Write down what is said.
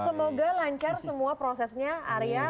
semoga lancar semua prosesnya arya